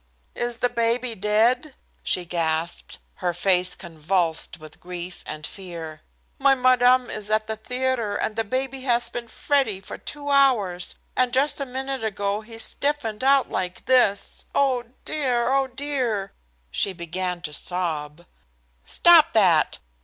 "Is the baby dead?" she gasped, her face convulsed with grief and fear. "My madam is at the theatre, and the baby has been fretty for two hours, and just a minute ago he stiffened out like this. Oh, dear! Oh, dear!" she began to sob. "Stop that!"